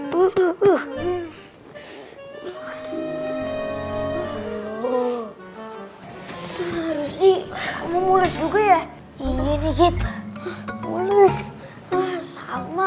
harusnya kamu mulus juga ya iya nih gip mulus sama